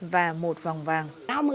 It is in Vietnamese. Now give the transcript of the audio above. và một vòng vàng